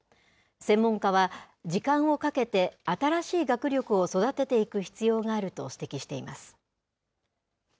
専門家は、時間をかけて新しい学力を育てていく必要があると指摘しています。